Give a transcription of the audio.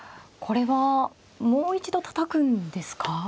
これはもう一度たたくんですか。